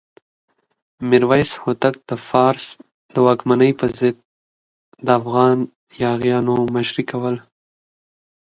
میرویس هوتک د فارس د واکمنۍ پر ضد د افغان یاغیانو مشري کوله.